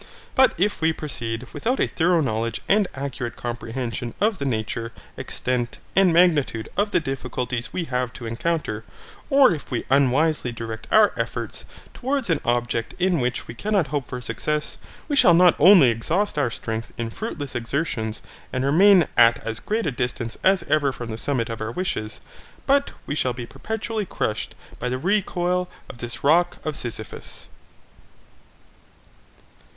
But if we proceed without a thorough knowledge and accurate comprehension of the nature, extent, and magnitude of the difficulties we have to encounter, or if we unwisely direct our efforts towards an object in which we cannot hope for success, we shall not only exhaust our strength in fruitless exertions and remain at as great a distance as ever from the summit of our wishes, but we shall be perpetually crushed by the recoil of this rock of Sisyphus.